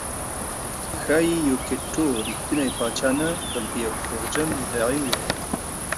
ښایي یوکیت ټو رښتینی پاچا نه بلکې یو دروغجن مدعي و